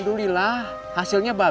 saya mengupaya lo ingin mengeluh